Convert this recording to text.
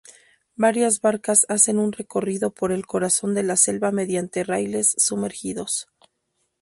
Varias barcas hacen un recorrido por el corazón de la selva mediante raíles sumergidos.